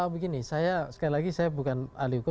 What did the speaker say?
begini saya sekali lagi saya bukan ahli hukum